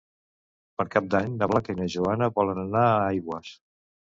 Per Cap d'Any na Blanca i na Joana volen anar a Aigües.